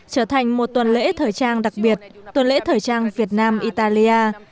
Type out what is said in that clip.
trở thành một tuần lễ thời trang đặc biệt tuần lễ thời trang việt nam italia